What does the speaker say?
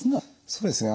そうですね